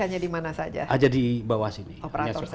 hanya dimana saja hanya di bawah sini operator saja